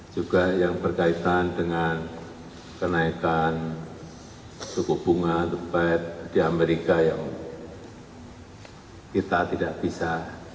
juga yang berkaitan dengan kenaikan suku bunga the fed di amerika yang kita tidak bisa